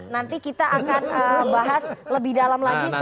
nanti kita akan bahas lebih dalam lagi